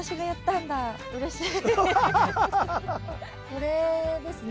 これですね？